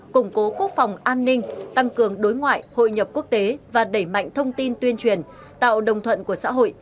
củng cố quốc phòng an ninh tăng cường đối ngoại hội nhập quốc tế và đẩy mạnh thông tin tuyên truyền tạo đồng thuận của xã hội